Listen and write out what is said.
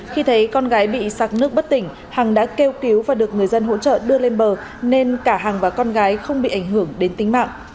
khi thấy con gái bị sạc nước bất tỉnh hằng đã kêu cứu và được người dân hỗ trợ đưa lên bờ nên cả hằng và con gái không bị ảnh hưởng đến tính mạng